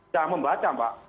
sudah membaca mbak